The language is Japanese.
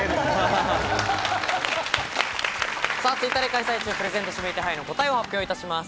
ツイッターで開催中、プレゼント指名手配の答えを発表いたします。